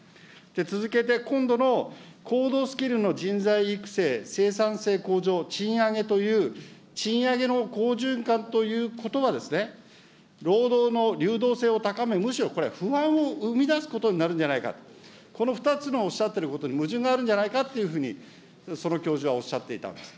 続けて、今度の高度スキルの人材育成、生産性向上、賃上げという賃上げの好循環ということは、労働の流動性を高め、むしろこれ、不満を生み出すことになるんじゃないか、この２つのおっしゃってることに矛盾があるんじゃないかというふうに、その教授はおっしゃっていたんです。